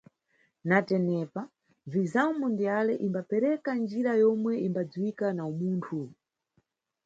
Na tenepa, Vizawu Mundiyale imbapereka njira yomwe imbadziwika na Uwunthu.